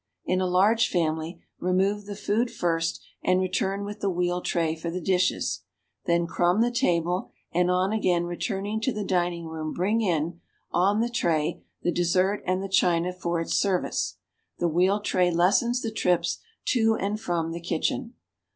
In a large family, remove the food first and return with the wheel tray for the dishes; then crumb the taljle, and on again returning to the dining room bring in, on the tray, the des.sert and the china for its service. The wheel tray lessens the trips to and from the kitchen.